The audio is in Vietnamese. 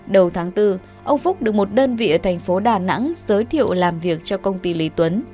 đầu tháng bốn ông phúc được một đơn vị ở thành phố đà nẵng giới thiệu làm việc cho công ty lý tuấn